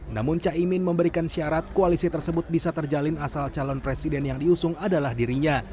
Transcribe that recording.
namun caimin memberikan syarat koalisi tersebut bisa terjalin asal calon presiden yang diusung adalah dirinya